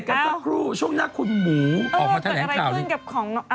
โอเคครับเบรกกันสักครู่ช่วงหน้าคุณหมูออกมาแถลงข่าวดิเออเกิดอะไรขึ้นกับเรื่องอะไรของน้องนายอ่ะ